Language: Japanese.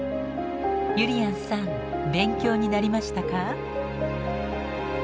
ゆりやんさん勉強になりましたか？